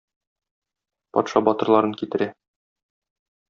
Патша батырларын китерә.